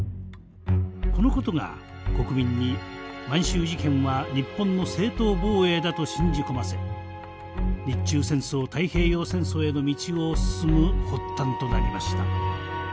このことが国民に満州事変は日本の正当防衛だと信じ込ませ日中戦争太平洋戦争への道を進む発端となりました。